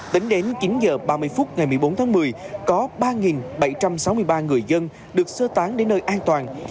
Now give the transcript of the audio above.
tính đến chín h ba mươi phút ngày một mươi bốn tháng một mươi có ba bảy trăm sáu mươi ba người dân được sơ tán đến nơi an toàn